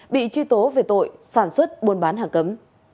bị truy tố về tội sản xuất buôn bán hàng cấm